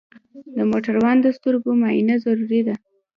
د موټروان د سترګو معاینه ضروري ده.